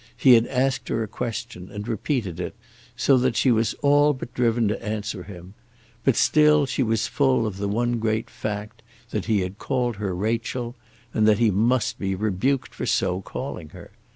He had asked her a question, and repeated it, so that she was all but driven to answer him; but still she was full of the one great fact that he had called her Rachel, and that he must be rebuked for so calling her.